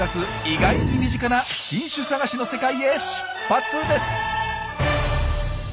意外に身近な新種探しの世界へ出発です！